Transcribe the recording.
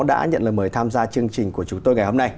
đã nhận lời mời tham gia chương trình của chúng tôi ngày hôm nay